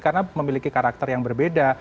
karena memiliki karakter yang berbeda